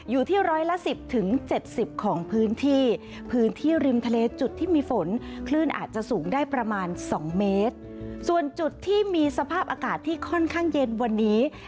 อยู่ที่ร้อยละสิบถึงเจ็ดสิบของพื้นที่พื้นที่ริมทะเลจุดที่มีฝน